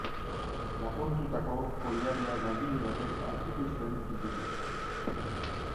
Lapurtutako koilarea langile batek aurkitu zuen inguruan.